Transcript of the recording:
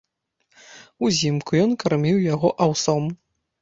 Узімку ён карміў яго аўсом.